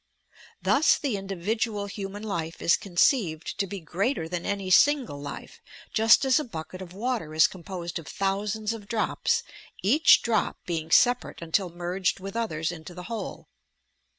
Thus the individual human life is conceived to be greater than any single life, just as a bucket of water is com posed of thousands of drops, each drop being separate until merged with others into the whole.